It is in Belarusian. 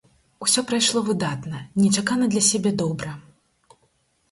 Усё прайшло выдатна, нечакана для сябе добра.